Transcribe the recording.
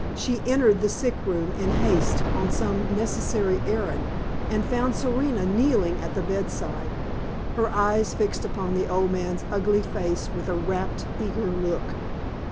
She entered the sick room in haste on some necessary errand, and found Serena kneeling at the bedside, her eyes fixed upon the old man's ugly face with a rapt, eager look.